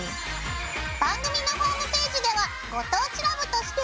番組のホームページでは「ご当地ＬＯＶＥ」として。